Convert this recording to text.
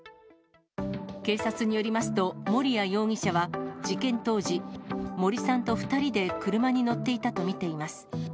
警察によりますと、森谷容疑者は事件当時、森さんと２人で車に乗っていたと見ています。